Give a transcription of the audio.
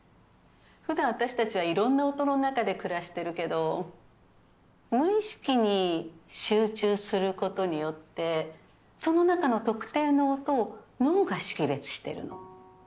普段私たちはいろんな音の中で暮らしてるけど無意識に集中することによってその中の特定の音を脳が識別してるの。